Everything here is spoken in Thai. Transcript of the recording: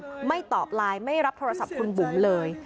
คุณจักรจันทร์ไม่ตอบไลน์ไม่รับโทรศัพท์คุณบุ๋มเลย